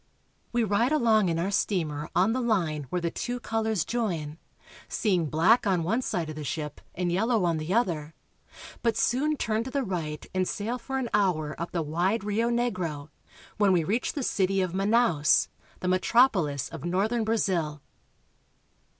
We ride along in our steamer on the line where the two colors join, seeing black on one Indians, Northern Brazil. side of the ship and yellow on the other, but soon turn to the right and sail for an hour up the wide Rio Negro, when we reach the city of Manaos, the metropolis of northern Brazil.